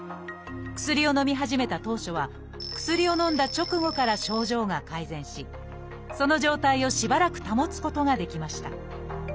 薬をのみ始めた当初は薬をのんだ直後から症状が改善しその状態をしばらく保つことができました。